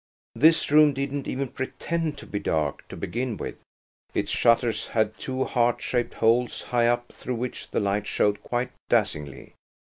This room didn't even pretend to be dark, to begin with. Its shutters had two heart shaped holes, high up, through which the light showed quite dazzlingly.